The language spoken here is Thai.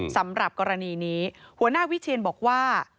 สำหรับกรณีนี้หัวหน้าวิเชียนบอกว่า